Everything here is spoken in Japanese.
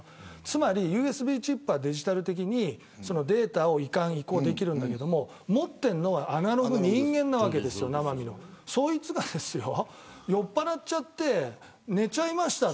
つまり、ＵＳＢチップはデジタル的にデータを移管移行できるけれども持っているのはアナログ人間なわけです、生身のそいつが酔っぱらっちゃって寝ちゃいました。